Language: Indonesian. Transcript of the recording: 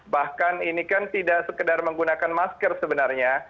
bahkan ini kan tidak sekedar menggunakan masker sebenarnya